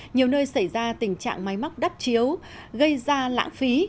nhiều nơi xảy ra tình trạng máy móc đắp chiếu gây ra lãng phí